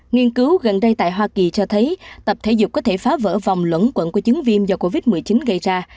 nghiên cứu gần đây tại hoa kỳ cho thấy tập thể dục có thể phá vỡ vòng lẫn quẩn của chứng viêm do covid một mươi chín gây ra